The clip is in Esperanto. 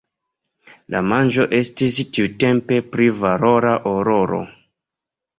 La manĝo estis tiutempe pli valora ol oro.